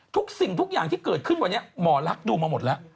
สิ่งทุกอย่างที่เกิดขึ้นวันนี้หมอลักษณ์ดูมาหมดแล้ว